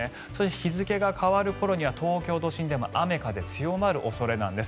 日付が変わる頃には東京都心でも雨、風強まる恐れなんです。